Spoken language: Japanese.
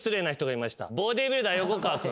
ボディビルダー横川君。